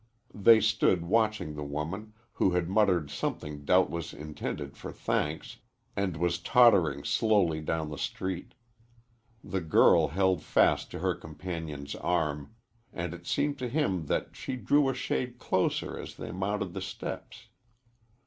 They stood watching the woman, who had muttered something doubtless intended for thanks and was tottering slowly down the street. The girl held fast to her companion's arm, and it seemed to him that she drew a shade closer as they mounted the steps.